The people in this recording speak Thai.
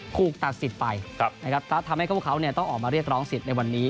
ถูกตัดสิทธิ์ไปนะครับทำให้พวกเขาต้องออกมาเรียกร้องสิทธิ์ในวันนี้